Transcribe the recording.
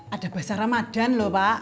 ada basah ramadhan lho pak